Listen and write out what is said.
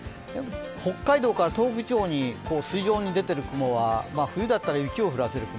北海道から東北地方に筋状に出ている雲は冬だったら雪を降らせる雲。